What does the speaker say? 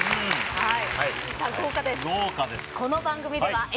はい。